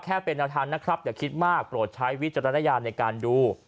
แค่เป็นแนวทางนะครับอย่าคิดมากโปรดใช้วิจารณญาณในการดู